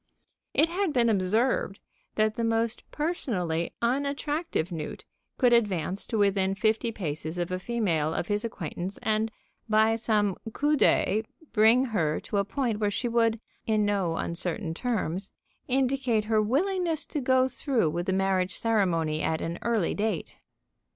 It had been observed that the most personally unattractive newt could advance to within fifty paces of a female of his acquaintance and, by some coup d'œil, bring her to a point where she would, in no uncertain terms, indicate her willingness to go through with the marriage ceremony at an early date.